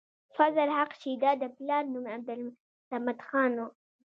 فضل حق شېدا د پلار نوم عبدالصمد خان وۀ